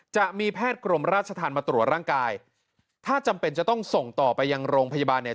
จะมีแพทย์กรมราชธรรมมาตรวจร่างกายถ้าจำเป็นจะต้องส่งต่อไปยังโรงพยาบาลเนี่ย